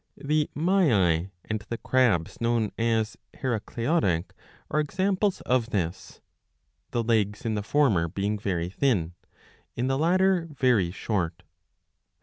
The Maiae and the crabs known as Heracleotic are examples of this ; the legs in the former being very thin, in the latter very short.